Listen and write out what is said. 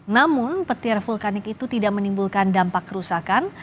namun petir vulkanik itu tidak menimbulkan dampak kerusakan